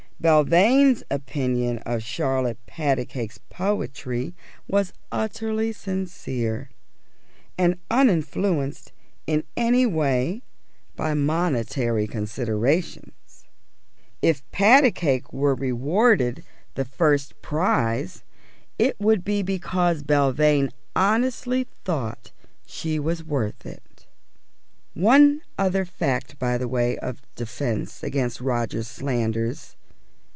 Belvane's opinion of Charlotte Patacake's poetry was utterly sincere, and uninfluenced in any way by monetary considerations. If Patacake were rewarded the first prize it would be because Belvane honestly thought she was worth it. One other fact by way of defence against Roger's slanders.